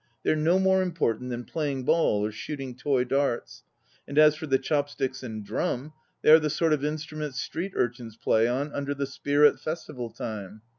They're no more important than playing ball or shooting toy darts. And as for the chop sticks and drum they are the sort of instruments street urchins play on under the Spear 2 at festival time.